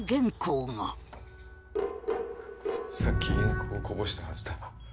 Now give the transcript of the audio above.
さっきインクをこぼしたはずだ。